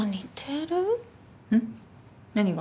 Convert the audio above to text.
何が？